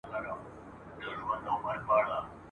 لا یې لمر پر اسمان نه دی راختلی ..